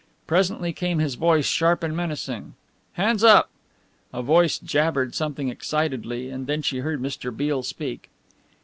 Presently came his voice, sharp and menacing: "Hands up!" A voice jabbered something excitedly and then she heard Mr. Beale speak.